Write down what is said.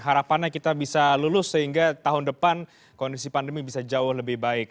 harapannya kita bisa lulus sehingga tahun depan kondisi pandemi bisa jauh lebih baik